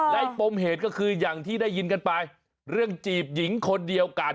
และปมเหตุก็คืออย่างที่ได้ยินกันไปเรื่องจีบหญิงคนเดียวกัน